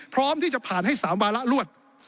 พร้อมที่จะผ่านให้๓วาระรวด